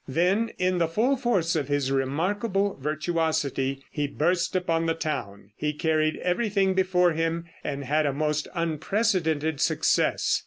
Then, in the full force of his remarkable virtuosity, he burst upon the town. He carried everything before him, and had a most unprecedented success.